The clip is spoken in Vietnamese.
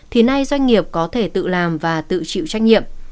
thì nay doanh nghiệp có thể tự làm và tự chịu trách nhiệm